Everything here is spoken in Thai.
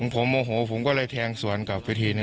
ผมโมโหผมก็เลยแทงสวนกลับไปทีนี้